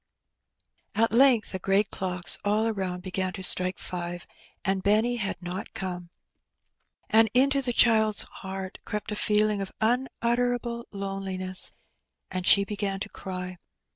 At length the great clocks all around began to strike five, and Benny had not come; and into the child's heart crept a feeling of unutterable loneliness, and she began to cry.